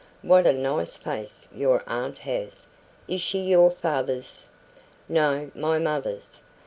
"What a nice face your aunt has! Is she your father's ?" "No, my mother's.